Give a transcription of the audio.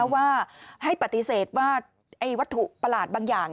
ว่าให้ปฏิเสธว่าวัตถุประหลาดบางอย่าง